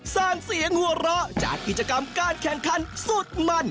สร้างเสียงหัวเราะจากกิจกรรมการแข่งขันสุดมัน